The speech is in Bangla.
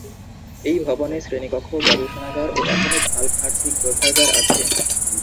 এই ভবনে শ্রেণীকক্ষ, গবেষণাগার ও আহমেদ আল-ফার্সি গ্রন্থাগার আছে।